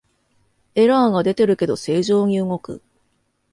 エラーが出てるけど正常に動く